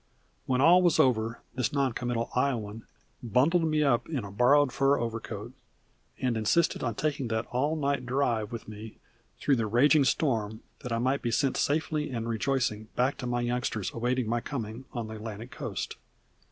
When all was over this noncommittal Iowan bundled me up in a borrowed fur overcoat, and insisted on taking that all night drive with me through the raging storm that I might be sent safely and rejoicing back to my youngsters awaiting my coming on the Atlantic coast.